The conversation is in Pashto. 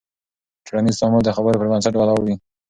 ټولنیز تعامل د خبرو پر بنسټ ولاړ وي.